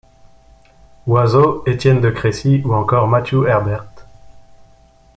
Oizo, Étienne de Crécy, ou encore Matthew Herbert.